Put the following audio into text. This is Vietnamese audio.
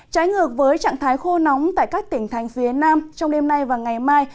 trái ngược với trạng thái khô nóng tại các tỉnh thành phía nam trong đêm nay và ngày mai